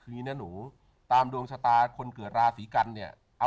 คืออย่างนี้นะหนูตามดวงชะตาคนเกิดราศีกันเนี่ย